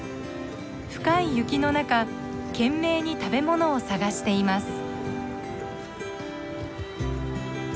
深い雪の中懸命に食べ物を探しています。